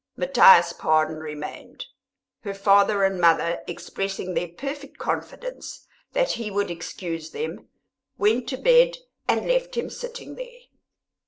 Matthias Pardon remained; her father and mother, expressing their perfect confidence that he would excuse them, went to bed and left him sitting there.